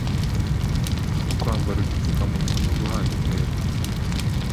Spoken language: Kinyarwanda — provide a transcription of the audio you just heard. nko kwambara udupfukamunwa no guhana intera.